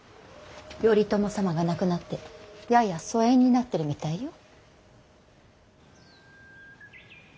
頼朝様が亡くなってやや疎遠になってるみたいよ。